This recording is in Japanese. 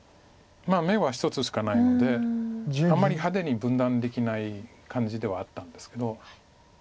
眼は１つしかないのであんまり派手に分断できない感じではあったんですけど。